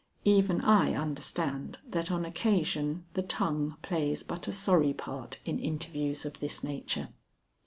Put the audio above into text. Even I understand that on occasion the tongue plays but a sorry part in interviews of this nature.